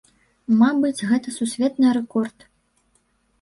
Мабыць, гэта сусветны рэкорд.